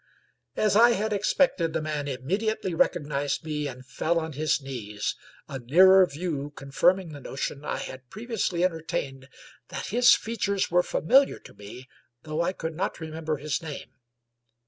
As I had expected, the man immediately recognized me and fell on his knees, a nearer view confirming the notion I had previously entertained that his features were familiar to me, though I could not re member his name.